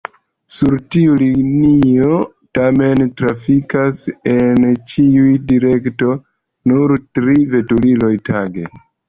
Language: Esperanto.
Sur tiu linio tamen trafikas en ĉiu direkto nur tri veturiloj tage.